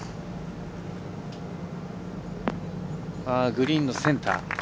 グリーンのセンター。